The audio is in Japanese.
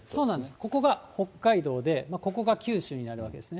ここが北海道で、ここが九州になるわけですね。